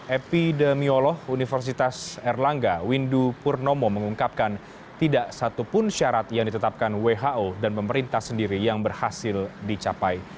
epidemiolog universitas erlangga windu purnomo mengungkapkan tidak satupun syarat yang ditetapkan who dan pemerintah sendiri yang berhasil dicapai